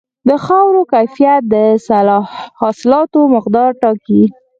د خاورې کیفیت د حاصلاتو مقدار ټاکي.